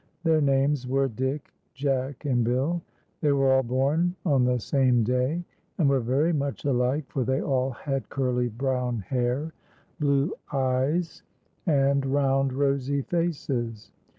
Their names were Dick, Jack, and Bill. Ihcy were all born on the same day, and were very much alike, for they all had curly brown hair, blue eyes, and I20 TIPSY'S SILVER BELL. round rosy faces.